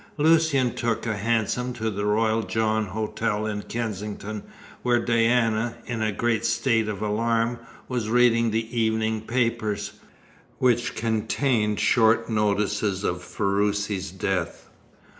Lucian took a hansom to the Royal John Hotel in Kensington, where Diana, in a great state of alarm, was reading the evening papers, which contained short notices of Ferruci's death.